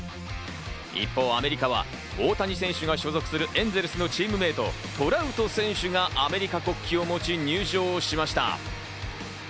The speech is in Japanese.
一方、アメリカは大谷選手が所属するエンゼルスのチームメート、トラウト選手がアメリカ国旗を持ち入場しました。